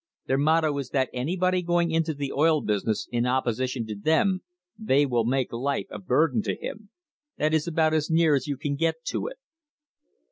Their motto is that anybody going into the oil business in opposition to them they will make life a burden to him. That is about as near as you can get to it."